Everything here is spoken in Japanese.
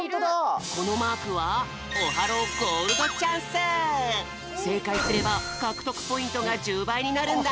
このマークはせいかいすればかくとくポイントが１０ばいになるんだ！